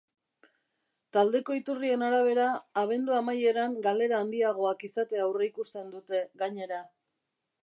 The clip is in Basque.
Taldeko iturrien arabera, abendu amaieran galera handiagoak izatea aurreikusten dute, gainera.